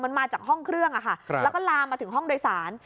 มันมาจากห้องเครื่องแล้วก็ลามมาถึงห้องโดยสาร